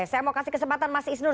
saya mau kasih kesempatan mas isnur